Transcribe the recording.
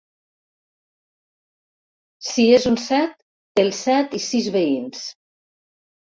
Si és un set, el set i sis veïns.